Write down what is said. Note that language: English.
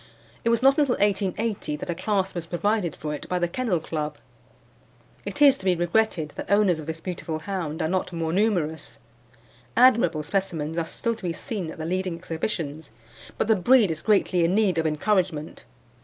It was not until 1880 that a class was provided for it by the Kennel Club. It is to be regretted that owners of this beautiful hound are not more numerous. Admirable specimens are still to be seen at the leading exhibitions, but the breed is greatly in need of encouragement.